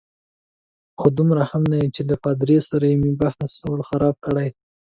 خو دومره هم نه چې له پادري سره مې بحث ور خراب کړي.